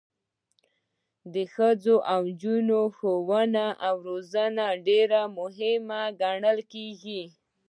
د ښځو او نجونو ښوونه او روزنه ډیره مهمه ګڼل کیږي.